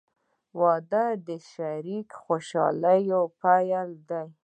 • واده د شریکې خوشحالۍ پیل دی.